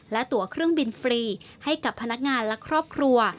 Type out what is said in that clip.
และตัวเครื่องบินฟรีให้กับพนักงานและครอบครัว